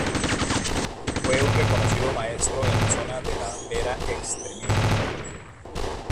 Fue un reconocido maestro en la zona de La Vera extremeña.